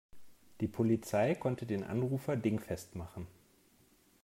Die Polizei konnte den Anrufer dingfest machen.